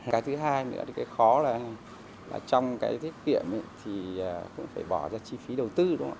cái thứ hai nữa cái khó là trong cái tiết kiệm thì cũng phải bỏ ra chi phí đầu tư